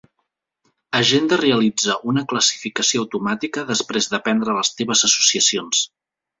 Agenda realitza una classificació automàtica després d'aprendre les teves associacions.